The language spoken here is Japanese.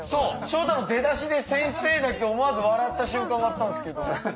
照太の出だしで先生だけ思わず笑った瞬間があったんですけど。